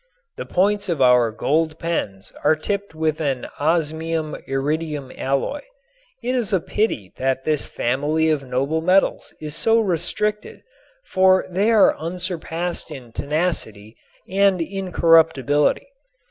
The points of our gold pens are tipped with an osmium iridium alloy. It is a pity that this family of noble metals is so restricted, for they are unsurpassed in tenacity and incorruptibility.